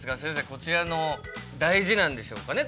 こちらの大事なんでしょうかね